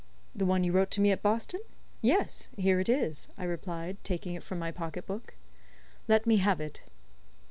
"The one you wrote to me at Boston? Yes, here it is," I replied, taking it from my pocket book. "Let me have it."